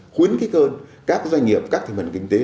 khuyến khích hơn các doanh nghiệp các thịnh vận kinh tế